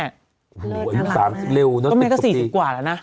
โอ้โฮอันนี้๓๐เร็วเนอะติดตบทีจริงแม่ก็๔๐กว่าแล้วนะ